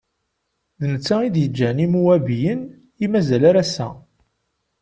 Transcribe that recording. D netta i d-iǧǧan Imuwabiyen, i mazal ar ass-a.